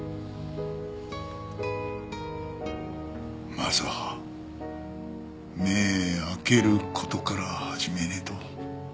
まずは目ぇ開ける事から始めねえと。